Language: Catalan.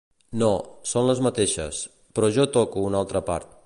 No, són les mateixes, però jo toco una altra part.